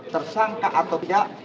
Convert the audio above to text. tersangka atau tidak